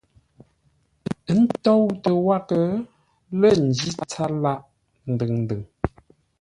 Ə́ tóutə́ wághʼə lə́ ńjí tsâr lâʼ ndʉŋ-ndʉŋ.